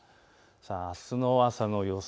あすの朝の予想